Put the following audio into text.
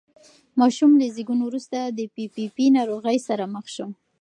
ماشوم له زېږون وروسته د پي پي پي ناروغۍ سره مخ شو.